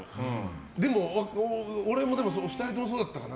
でも俺も２人ともそうだったかな？